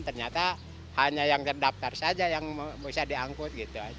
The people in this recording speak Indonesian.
ternyata hanya yang terdaftar saja yang bisa diangkut